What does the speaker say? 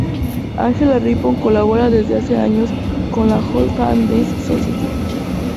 Angela Rippon, colabora desde hace años con la "Old Time Dance Society".